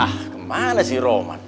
ah kemana sih roman